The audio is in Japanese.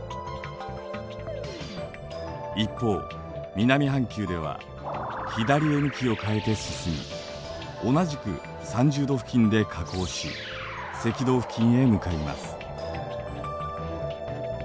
一方南半球では左へ向きを変えて進み同じく３０度付近で下降し赤道付近へ向かいます。